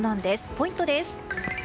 ポイントです。